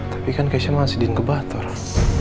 tapi kan keshen masih diinkebat orang